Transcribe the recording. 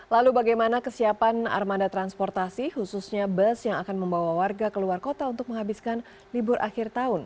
lalu bagaimana kesiapan armada transportasi khususnya bus yang akan membawa warga ke luar kota untuk menghabiskan libur akhir tahun